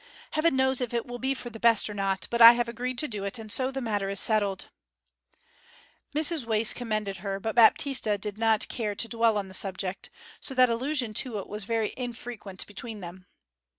'Heaven knows if it will be for the best or not. But I have agreed to do it, and so the matter is settled.' Mrs Wace commended her; but Baptista did not care to dwell on the subject; so that allusion to it was very infrequent between them.